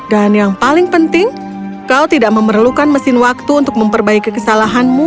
dan yang paling penting kau tidak memerlukan mesin waktu untuk memperbaiki kesalahanmu